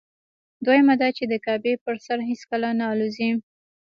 دویمه دا چې د کعبې پر سر هېڅکله نه الوزي.